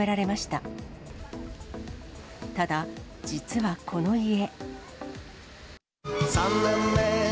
ただ、実はこの家。